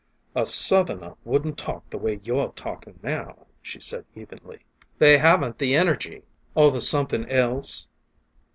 "A Southerner wouldn't talk the way you're talking now," she said evenly. "They haven't the energy!" "Or the somethin' else."